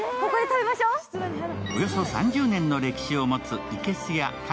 およそ３０年の歴史を持つ生簀屋海。